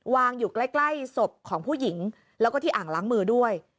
อยู่ใกล้ศพของผู้หญิงแล้วก็ที่อ่างล้างมือด้วย